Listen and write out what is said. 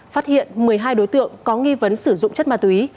phát hiện một mươi hai đối tượng có nghi vấn sử dụng chất ma túy